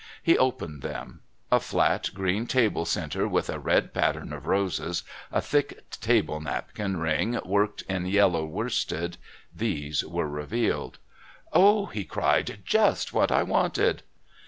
He opened them. A flat green table centre with a red pattern of roses, a thick table napkin ring worked in yellow worsted, these were revealed. "Oh!" he cried, "just what I wanted."